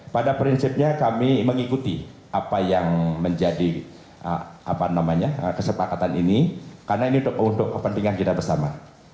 pada prinsipnya kami mengikuti apa yang menjadi kesepakatan ini karena ini untuk kepentingan kita bersama